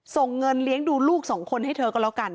ส่งเงินเลี้ยงดูลูกสองคนให้เธอก็แล้วกัน